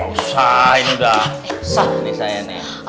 usaha ini udah sah nih saya nih